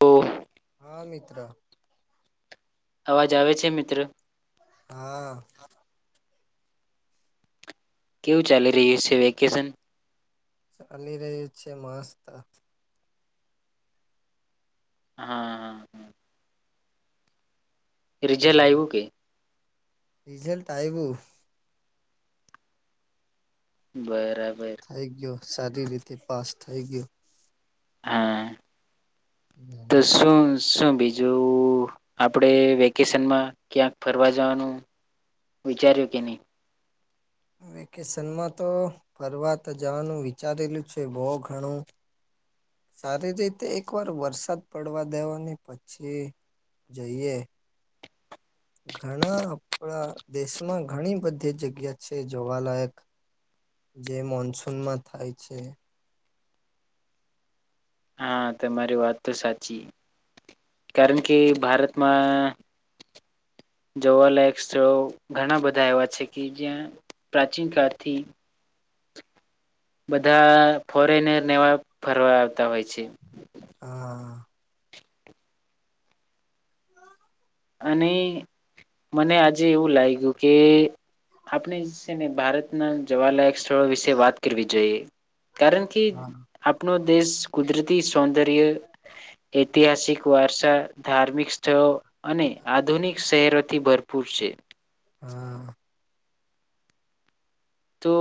તો હા મિત્ર અવાજ આવે છે મિત્ર હા. કેવું ચાલી રહ્યું છે વેકેશન ચાલી રહ્યું છે મસ્ત હા હા હા રીઝે લ આવ્યું કે રિઝલ ટ આવીયુ બરા થઈ ગયો સારી રીતે પાસ થઈ ગયો હા. તો શું [unintelligible] શું બીજું આપડે વેકેશનમાં ક્યાંક ફરવા જવાનું વિચાર્યું કે નહી હ [inaudible] વેકેશનમાં તો ફરવાત જવાનું વિચારેલું છે બહુ ઘણું સારી રીતે એકવાર વરસાદ પડવા દેવાની પછી જઈએ ઘણા આપણા દેશમાં ઘણી બધી જગ્યા છે જોવાલાયક જે મોનસૂનમાં થાય છે હા તમારી વાત તો સાચી કારણ કે ભારતમાં જોવાલાયક સ્થળો ઘણા બધા એવા છે કે જ્યાં પ્રાચીન કાળથી બધા ફોરેનર નેવા ફરવા આવતા હોય છે હા. અને મને આજે એવું લાગ્યું કે આપણે છે ને ભારત જોવાલાયક સ્થળ વિશે વાત કરવી જોઈએ. કારણ કે હા આપનો દેશ કુદરતી સૌંદર્ય ઐતિહાસિક વારસા ધાર્મિક સ્થળો અને આધુનિક શહેરોથી ભરપૂર છે. હા તો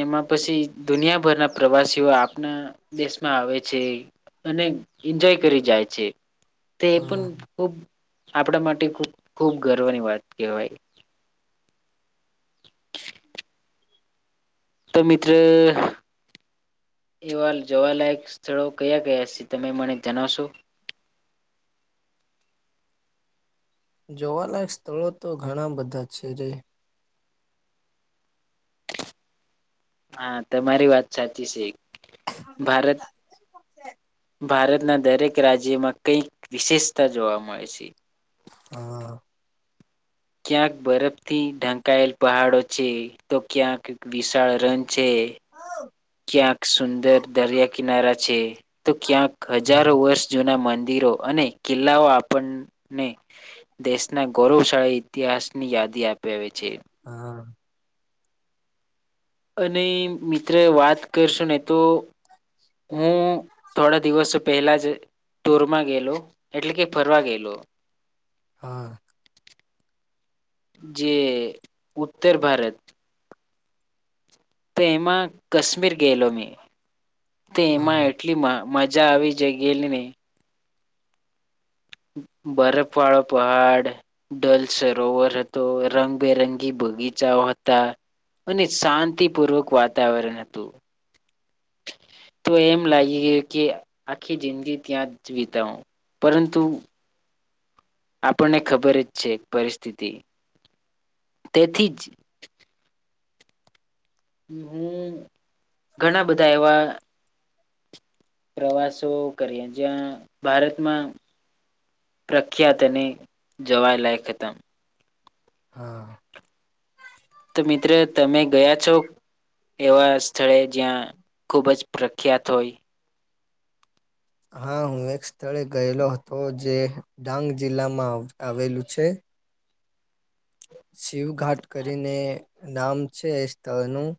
એમાં પછી દુનિયાભરના પ્રવાસીઓ આપના દેશમાં આવે છે અને એન્જોય કરી જાય છે તે એ પણ હા ખૂબ આપણા માટે ખુ ખૂબ ગર્વની વાત કહેવાય તો મિત્ર એવા જવાલાયક સ્થળો કયા કયા છે તમે મને જણાવશો જોવાલાયક સ્થળો તો ઘણા બધા છે રે હા તમારી વાત સાચી છે ભારત ભારતના દરેક રાજ્યમાં કઈક વિશેષતા જોવા મળે છે હા ક્યાંક બરફ થી ઢંકાયેલ પહાડો છે તો ક્યાંક વિશાળ રન છે બે કિનારા છે તો ક્યાંક હા હજારો વર્ષ જૂના મંદિરો અને કિલ્લા કિલ્લાઓ આપણને દેશના ગૌરવશાળી ઇતિહાસ ની યાદી આપે અપાવે છે હા અને મિત્ર વાત કરશો ને તો હું થોડા દિવસો પહેલા જ ટૂરમાં ગયેલો એટલે કે ફરવા ગયેલો હા જે ઉત્તર ભારત તેમાં કશ્મીર ગયેલો મેં તેમાં હા એટલી મા મા મજા આવી જાય ગેલને બરફ વાળો પહાડ ડલ સરોવર હતો રંગબેરંગી બગીચાઓ હતા અને શાંતિપૂર્વક વાતાવરણ હતું [unintelligible] [inaudible] તો એમ લાગી ગય કે આખી જિંદગી ત્યાં જ વિતાવો પરંતુ આપણને ખબર જ છે પરિસ્થિતિ તેથી જ હું ઘણા બધા એવા પ્રવાસો કરીએ જ્યાં ભારતમાં પ્રખ્યાતને જવાય લાયક દમ હા તો મિત્ર તમે ગયા છો એવા સ્થળે જ્યાં ખુબ જ પ્રખ્યાત હોય હા હું એક સ્થળે ગયેલો હતો જે ડાંગ જિલ્લામાં આવેલું છે શિવ ઘાટ કરીને નામ છે એ સ્થળનું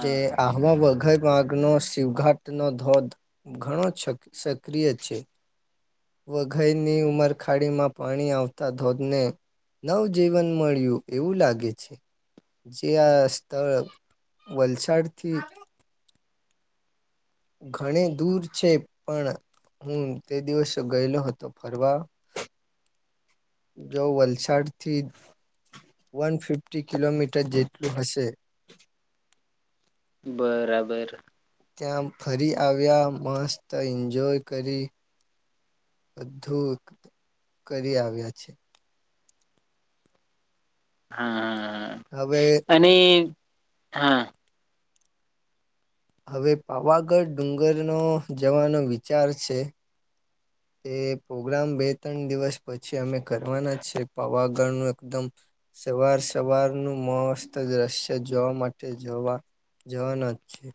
જે અહમાાબદ ઘયમાર્ગનો શિવઘાટનો ધોધ ઘણો ક્ષ સક્રિય છે વઘઈની ઉંમર ખાડીમાં પાણી આવતા ધોધને નવજીવન મળ્યું એવું લાગે છે જે આ સ્થળ વલસાડથી હ [inaudible] ઘણી દૂર છે પણ હું તે દિવસ ગયેલો હતો ફરવા જો વલસાડ થી વન ફિફ્ટી કિલોમીટર જેટલું હશે બરાબર ત્યાં ફરી આવ્યા મસ્ત એન્જોય કરી બધુંક કરી આવ્યા છે. હા, હા, હવે હા, હા અને હા. હવે પાવાગઢ ડુંગરનો જવાનો વિચાર છે. એ પ્રોગ્રામ બે ત્રણ દિવસ પછી અમે કરવાના છે પાવાગળ નો એકદમ સવાર સવારનું મહસ્ત જ દ્રશ્ય જોવા માટે જોવા જવાના જ છે.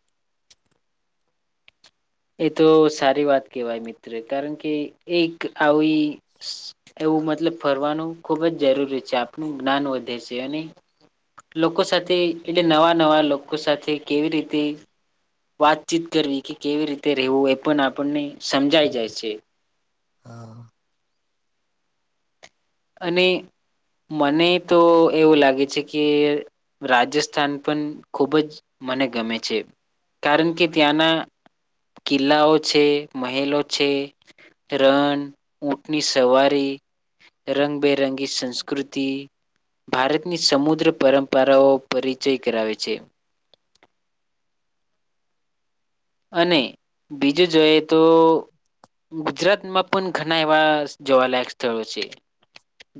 એ તો સારી વાત કેહેવાય મિત્ર કારણ કે એક આવી સ જો ખૂબ મતલબ ફરવાનું ખુબ જ જરૂરી છે આપણું જ્ઞાન વધે છે અને લોકો સાથે એટલે નવા નવા લોકો સાથે કેવી રીતે વાતચીત કરવી કે કેવી રીતે રહેવું એ પણ આપણને સમજાઈ જાય છે. હા. અને મને તો એવું લાગે છે કે રાજસ્થાન પણ ખૂબ જ મને ગમે છે. કારણ કે ત્યાંના કિલ્લાઓ છે, મહેલો છે રન ઊંટની સવારી રંગબેરંગી સંસ્કૃતિ ભારતની સમુદ્ર પરંપરાઓ પરિચય કરાવે છે. [inaudible] અને બીજું જોએ તો ગુજરાતમાં પણ ઘણા એવા જોવાલાયક સ્થળો છે.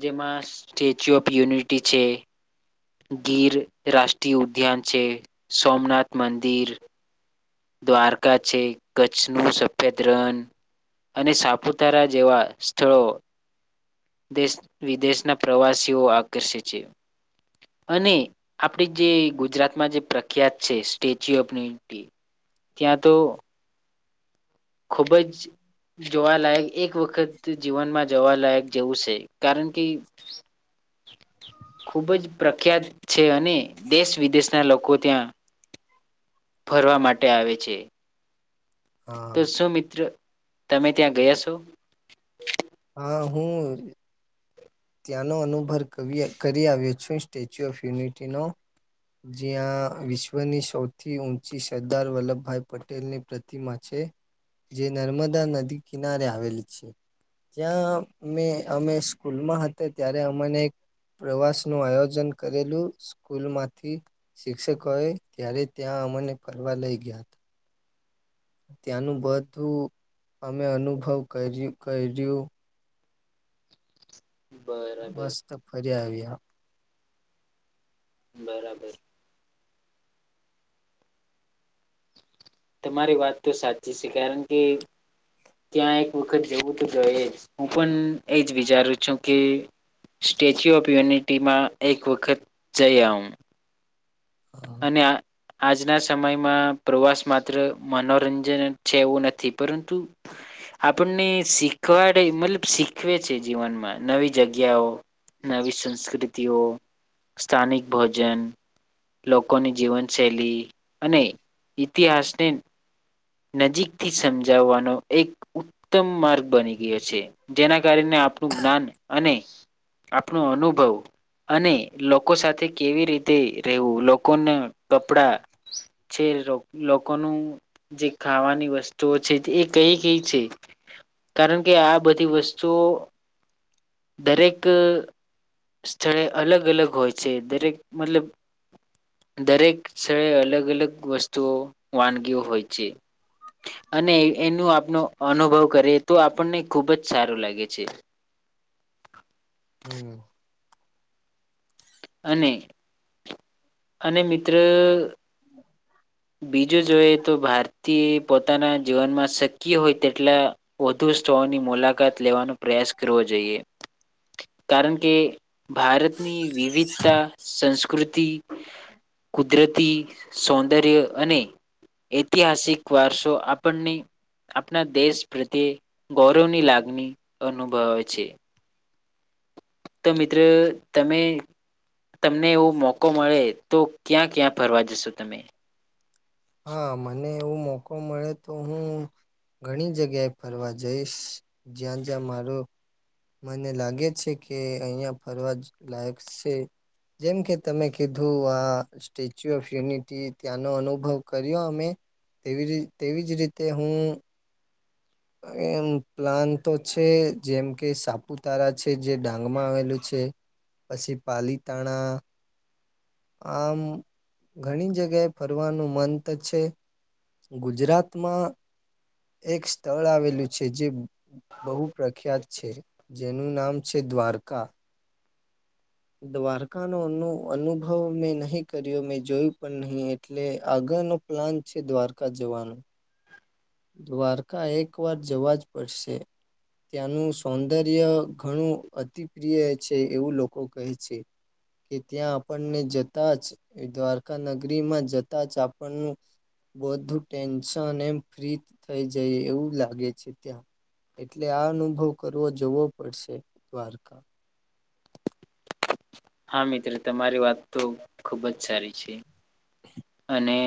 જેમાં સ્ટેચ્યુ ઓફ યુનિટી છે. ગીર રાષ્ટ્રીય ઉદ્યાન છે. સોમનાથ મંદિર દ્વારકા છે, કચ્છનું સફેદ રન. અને સાપુતારા જેવા સ્થળો દેશ વિદેશના પ્રવાસીઓ આકર્ષે છે. અને આપડી જે ગુજરાતમાં જે પ્રખ્યાત છે સ્ટેચ્યુ ઓફ યુનિટી ત્યાં તો ખુબ જ જોવાલાયક એક વખત જીવનમાં જવાલાયક જેવું છે, કારણ કે હ ખૂબ જ પ્રખ્યાત છે અને દેશ વિદેશના લોકો ત્યાં ફરવા માટે આવે છે. હા તો શું મિત્ર તમે ત્યાં ગયા છો? હા હું ત્યાંનો અનુભર કવી કરી આવ્યો છું સ્ટેચ્યુ ઓફ યુનિટીનો. જ્યાં વિશ્વની સૌથી ઊંચી સરદાર વલ્લભભાઈ પટેલની પ્રતિમા છે. એ જે નર્મદા નદી કિનારે આવેલ છે. ત્યાં મેં અમે સ્કૂલમાં હતા ત્યારે અમનેક પ્રવાસ નું આયોજન કરેલું સ્કૂલમાંથી શિક્ષકોએ ત્યારે ત્યાં તમને કરવા લઈ ગયા હતા. ત્યાંનું બધું અમે અનુભવ કર્યું કર્યું બરાબર. જા આવ્યા. બરાબર. તમારી વાત તો સાચી છે કારણ કે ત્યાં એક વખત જેવું તો જોયજ. હું પણ એજ વિચારું છું કે સ્ટેચ્યુ ઓફ યુનિટીમાં એક વખત જઈ આઉં. અને આ આજના સમયમાં પ્રવાસ માત્ર મનોરંજન અજ છે એવું નથી પરંતુ આપણને શીખ ખવાડે મતલબ શીખવે છે જીવનમાં નવી જગ્યાઓ નવી સંસ્કૃતિ તેઓ સ્થાનિક ભોજન લોકોની જીવનશૈલી અને ઈતિહાસને નજીકથી સમજાવવાનો એક ઉત્તમ માર્ગ બની ગયો છે જેના કારણે આપણું જ્ઞાન અને આપણો અનુભવ અને લોકો સાથે કેવી રીતે રેવું લોકોને કપડાં છે લોકોનું જે ખાવાની વસ્તુઓ છે એ કઈ કઈ છે. કારણ કે આ બધી વસ્તુઓ દરેક સ્થળે અલગ અલગ હોય છે દરેક મતલબ દરેક સ્થળે અલગ અલગ વસ્તુઓ વાનગીઓ હોય છે. અને એનું આપનો અનુભવ કરીએ તો આપણને ખુબ જ સારું લાગે છે. હમ. અને અને મિત્ર બીજું જોઈએ તો ભારતીય પોતાના જીવનમાં શક્ય હોય તેટલા વધુ [unintelligible] મુલાકાત લેવાનો પ્રયાસ કરવો જોઈએ કારણ કે કે ભારતની વિવિધતા સંસ્કૃતિ કુદરતી સૌંદર્ય અને ઐતિહાસિક વારસો આપણને આપણા દેશ પ્રત્યે ગૌરવની લાગણી અનુભવાય છે. તો મિત્રો તમે તમને એવો મોકો મળે તો ક્યાં ક્યાં ફરવા જશો તમે હા મને એવું મોકો મળે તો હું ઘણી જગ્યાએ ફરવા જઈશ જ્યાં જ્યાં માર મને લાગે છે કે અહીંયા ફરવા જ લાયક છે. જેમ કે તમે કીધું આ સ્ટેચ્યુ ઓફ યુનિટી ત્યાંનો અનુભવ કર્યો અમે તેવી તેવી જ રીતે હું એમ પ્લાન તો છે જેમ કે સાપુતારા છે જે ડાંગમાં આવેલું છે.... પછી પાલીતાણા આમ ઘણી જગ્યાએ ફરવાનું મંત છે... ગુજરાતમાં એક સ્થળ આવેલું છે જે બહુ પ્રખ્યાત છે જેનું નામ છે દ્વારકા દ્વારકાનો અનુ અનુભવ મેં નહીં કર્યો મેં જોયું પણ નહીં એટલે આગળ નો પ્લાન છે દ્વારકા જવાનું- દ્વારકા એક વાર જવા જ પડશે. ત્યાંનું સૌંદર્ય ઘણું અતિપ્રિય છે એવું લોકો કહે છે. કે ત્યાં આપણને જતા જ દ્વારકા નગરીમાં જતા જ આપણનું બધું ટેન્શન એમ ફ્રી થઈ જાય એવું લાગે છે ત્યાં એટલે આ અનુભવ કરવો જવો પડશે દ્વારકા હા મિત્ર તમારી વાત તો ખુબ જ સારી છે. અને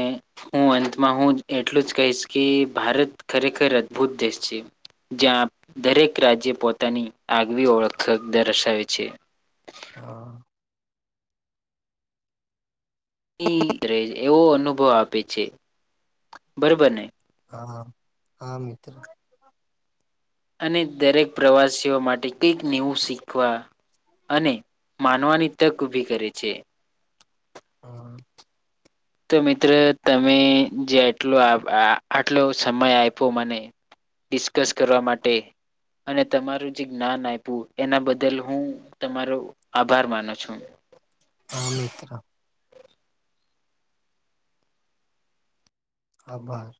હું અંતમાં હું એટલું જ કહીશ કે ભારત ખરેખર અદભુત દેશ છે. જ્યાં દરેક રાજ્ય પોતાની આગવી ઓળખ દર્શાવે છે. હા. [unintelligible] એવો અનુભવ આપે છે બરોબર ને હા હા મિત્ર અને દરેક પ્રવાસીઓ માટે કંઈક નેવું શીખવા અને માનવાની તક ઊભી કરે છે. હા. તો મિત્ર તમે જે આટલો આટલો સમય આપ્યો મને ડિસ્કસ કરવા માટે અને તમારું જે જ્ઞાન આયપુ એના બદલ હું તમારો આભાર માનો છું. હા મિત્ર. આભાર.